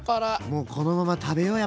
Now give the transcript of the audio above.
もうこのまま食べよう